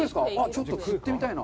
ちょっと釣ってみたいな。